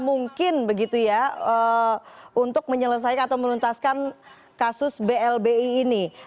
mungkin begitu ya untuk menyelesaikan atau menuntaskan kasus blbi ini